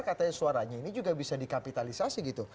katanya suaranya ini juga bisa di kapitalisasi gitu